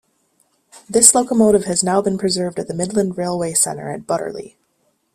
This locomotive has now been preserved at the Midland Railway Centre at Butterley.